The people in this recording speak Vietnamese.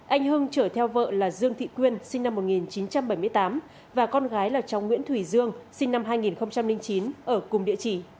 anh hưng chở theo vợ là dương thị quyên sinh năm một nghìn chín trăm bảy mươi tám và con gái là cháu nguyễn thủy dương sinh năm hai nghìn chín ở cùng địa chỉ